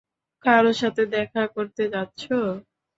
কারো সাথে দেখা করতে যাচ্ছো?